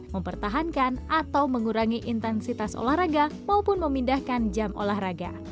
mempertahankan atau mengurangi intensitas olahraga maupun memindahkan jam olahraga